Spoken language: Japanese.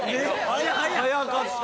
速かった！